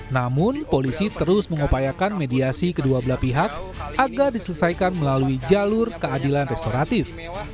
namun polisi terus mengupayakan mediasi kedua belah pihak agar diselesaikan melalui jalur keadilan restoratif